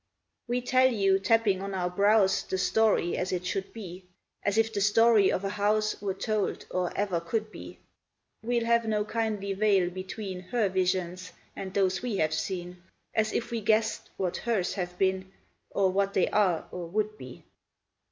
We tell you, tapping on our brows, The story as it should be, As if the story of a house Were told, or ever could be; We'll have no kindly veil between Her visions and those we have seen, As if we guessed what hers have been, Or what they are or would be.